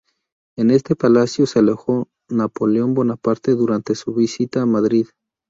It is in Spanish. En este palacio se alojó Napoleón Bonaparte durante su visita a Madrid.